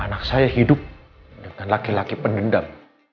anak saya hidup dengan laki laki pendendam